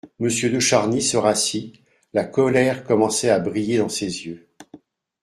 Monsieur de Charny se rassit, la colère commençait à briller dans ses yeux.